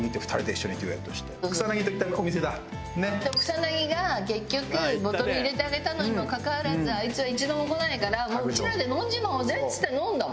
そう草薙が結局ボトル入れてあげたのにもかかわらずあいつは一度も来ないから「もううちらで飲んじまおうぜ」っつって飲んだの。